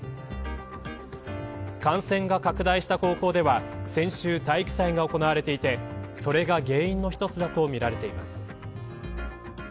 感染が拡大した高校では先週、体育祭が行われていてそれが原因の一つだとみられています。